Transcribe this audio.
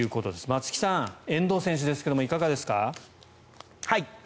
松木さん、遠藤選手ですけれどいかがですか？